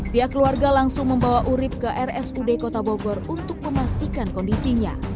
pihak keluarga langsung membawa urib ke rsud kota bogor untuk memastikan kondisinya